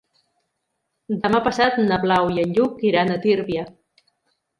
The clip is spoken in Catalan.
Demà passat na Blau i en Lluc iran a Tírvia.